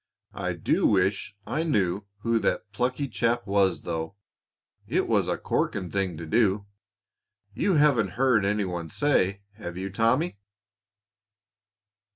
I do wish I knew who that plucky chap was, though. It was a corking thing to do. You haven't heard any one say, have you, Tommy?"